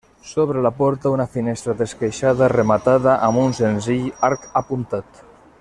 Sobre la porta, una finestra d'esqueixada rematada amb un senzill arc apuntat.